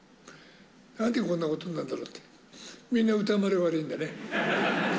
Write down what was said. なんでこんなことになるんだろうって、みんな歌丸が悪いんだね。